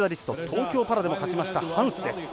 東京パラでも勝ちましたハンスです。